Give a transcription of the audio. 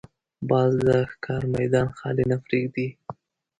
باز د ښکار میدان خالي نه پرېږدي